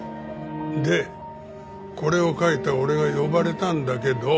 でこれを描いた俺が呼ばれたんだけど。